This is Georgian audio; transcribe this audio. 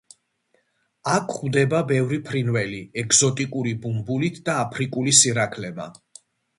აქ გვხვდება ბევრი ფრინველი ეგზოტიკური ბუმბულით და აფრიკული სირაქლემა.